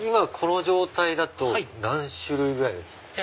この状態だと何種類ぐらいの。